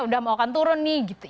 sudah mau turun nih gitu